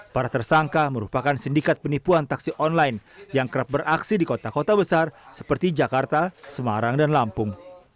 para tersangka merupakan sindikat penipuan taksi online yang kerap beraksi di kota kota besar seperti jakarta semarang dan lampung